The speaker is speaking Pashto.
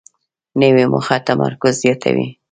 نوې موخه تمرکز زیاتوي